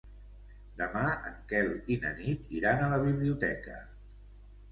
Demà en Quel i na Nit iran a la biblioteca.